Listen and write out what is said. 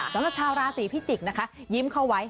สำหรับชาวราศีพิจิกษ์นะคะยิ้มเข้าไว้